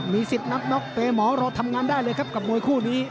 สิทธิ์นับน็อกเปย์หมอรอทำงานได้เลยครับกับมวยคู่นี้